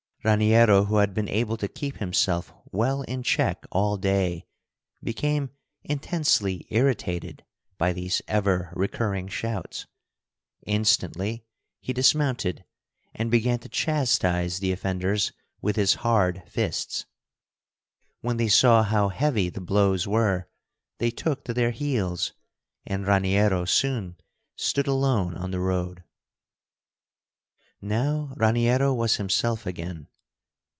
Raniero, who had been able to keep himself well in check all day, became intensely irritated by these ever recurring shouts. Instantly he dismounted and began to chastise the offenders with his hard fists. When they saw how heavy the blows were, they took to their heels, and Raniero soon stood alone on the road. Now Raniero was himself again.